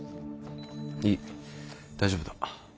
いい大丈夫だ。